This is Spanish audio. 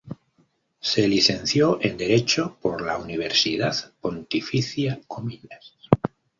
Se licenció en derecho por la Universidad Pontificia Comillas.